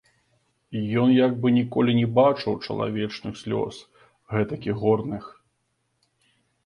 Ён як бы ніколі не бачыў чалавечых слёз, гэтакіх горных.